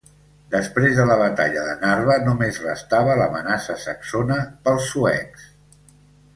Després de la batalla de Narva, només restava l'amenaça saxona pels suecs.